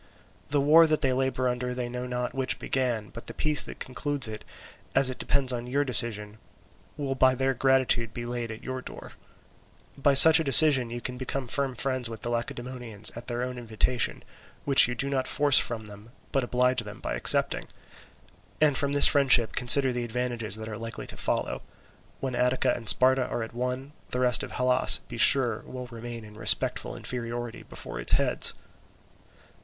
The war that they labour under they know not which began, but the peace that concludes it, as it depends on your decision, will by their gratitude be laid to your door. By such a decision you can become firm friends with the Lacedaemonians at their own invitation, which you do not force from them, but oblige them by accepting. And from this friendship consider the advantages that are likely to follow: when Attica and Sparta are at one, the rest of Hellas, be sure, will remain in respectful inferiority before its heads."